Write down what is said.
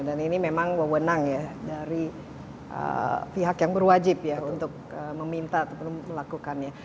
dan ini memang mewenang ya dari pihak yang berwajib ya untuk meminta atau melakukannya